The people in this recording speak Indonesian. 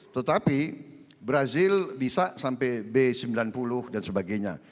tetapi brazil bisa sampai b sembilan puluh dan sebagainya